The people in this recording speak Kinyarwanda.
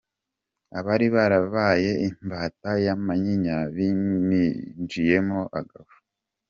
Abari barabaye imbata ya Manyinya biminjiyemo agafu.